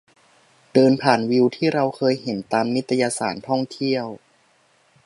เดินผ่านวิวที่เราเคยเห็นตามนิตยสารท่องเที่ยว